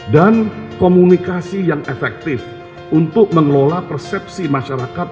dan komunikasi yang efektif untuk mengelola persepsi masyarakat